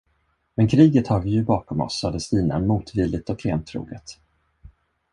Men kriget har vi ju bakom oss, sade Stina motvilligt och klentroget.